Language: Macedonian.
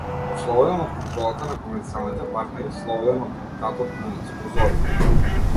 Ослободен од контролата на комерцијалните партнери, слободен од диктатот на спонзорите.